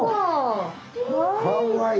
かわいい！